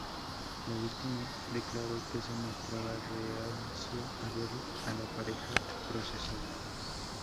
La víctima declaró que se mostraba reacio a ver a la pareja procesada.